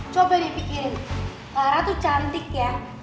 coba dipikirin karena tuh cantik ya